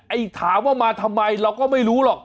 ถามว่ามาทำไมเราก็ไม่รู้หรอก